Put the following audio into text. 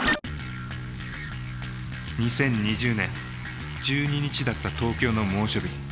２０２０年１２日だった東京の猛暑日。